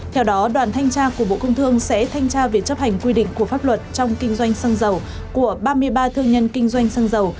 theo đó đoàn thanh tra của bộ công thương sẽ thanh tra việc chấp hành quy định của pháp luật trong kinh doanh xăng dầu của ba mươi ba thương nhân kinh doanh xăng dầu